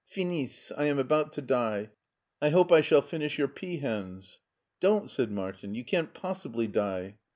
Finis ! I am about to die. I hope I shall finish your peahens." Don't !" said Martin, " you can't possibly die."